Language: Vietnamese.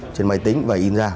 trên máy tính và in ra